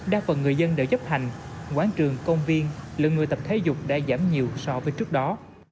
đa phần người dân đều chấp hành quán trường công viên lượng người tập thể dục đã giảm nhiều so với trước đó